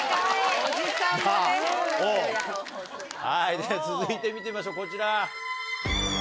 では続いて見てみましょうこちら。